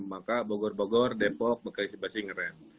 maka bogor bogor depok bekasi bekasi ngeram